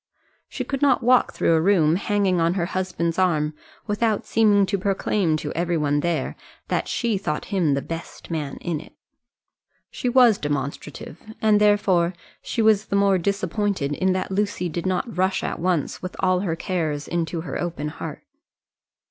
She could not walk through a room hanging on her husband's arm without seeming to proclaim to every one there that she thought him the best man in it. She was demonstrative, and therefore she was the more disappointed in that Lucy did not rush at once with all her cares into her open heart.